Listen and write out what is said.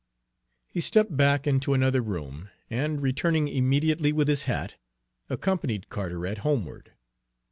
He stepped back into another room, and returning immediately with his hat, accompanied Carteret homeward.